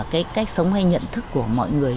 cái cách sống hay nhận thức của mọi người